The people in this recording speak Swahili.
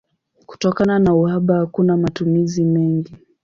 Kutokana na uhaba hakuna matumizi mengi.